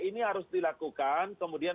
ini harus dilakukan kemudian